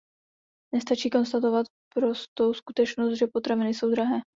Nestačí konstatovat prostou skutečnost, že potraviny jsou drahé.